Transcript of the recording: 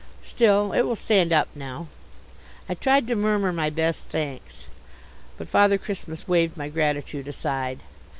Still, it will stand up now." I tried to murmur by best thanks. But Father Christmas waved my gratitude aside.